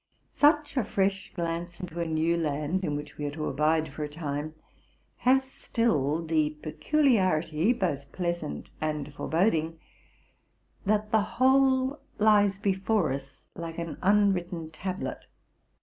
Such a fresh glance into a new land in which we are to abide for a time, has still the peculiarity, both pleasant and foreboding, that the whole lies before us like an unwritten tablet.